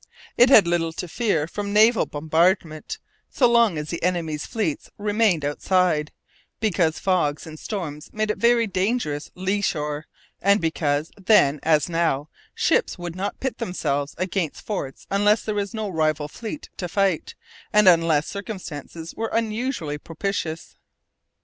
It had little to fear from naval bombardment so long as the enemy's fleet remained outside, because fogs and storms made it a very dangerous lee shore, and because, then as now, ships would not pit themselves against forts unless there was no rival fleet to fight, and unless other circumstances were unusually propitious.